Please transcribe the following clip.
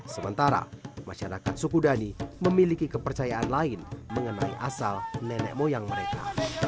sementara masyarakat sukudani memiliki kepercayaan lain mengenai asal nenek moyang mereka